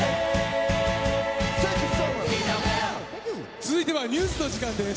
続いてはＮＥＷＳの時間です。